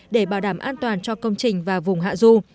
để bảo đảm an toàn cho công trình và vùng hạ du